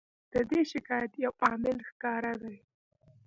د دې شکایت یو عامل ښکاره دی.